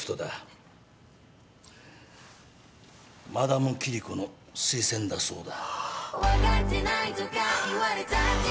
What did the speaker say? マダムキリコの推薦だそうだ。